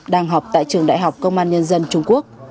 đang học tại trường đại học công an nhân dân trung quốc